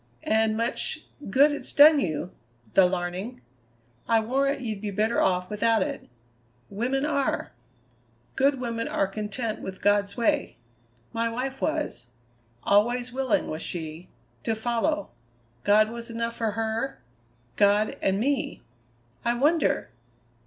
"And much good it's done you the larning! I warrant ye'd be better off without it. Women are. Good women are content with God's way. My wife was. Always willing, was she, to follow. God was enough for her God and me!" "I wonder!"